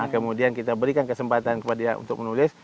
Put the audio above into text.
kemudian kita berikan kesempatan kepada dia untuk menulis